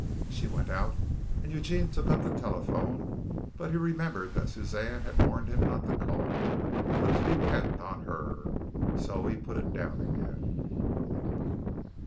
She went out and Eugene took up the telephone; but he remembered that Suzanne had warned him not to call, but to depend on her. So he put it down again.